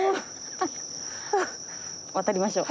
渡りましょう。